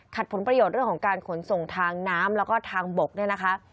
ผลประโยชน์เรื่องของการขนส่งทางน้ำแล้วก็ทางบกเนี่ยนะคะ